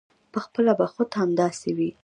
پخپله به خود همداسې وي.